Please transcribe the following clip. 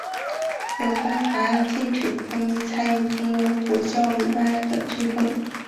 有关法案禁止国民参与英国国教以外的聚会。